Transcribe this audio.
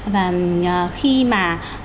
và khi mà